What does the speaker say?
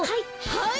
はい！